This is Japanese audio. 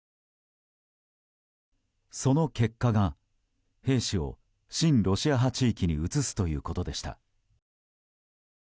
その結果が兵士を親ロシア派地域に移すということでした。